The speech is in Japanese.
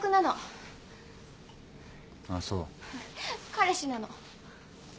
彼氏なの。